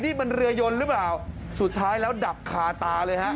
นี่มันเรือยนหรือเปล่าสุดท้ายแล้วดับคาตาเลยฮะ